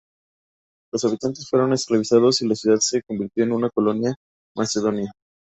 Los habitantes fueron esclavizados y la ciudad se convirtió en una colonia macedonia.